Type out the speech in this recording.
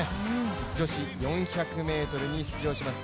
女子４００ｍに出場します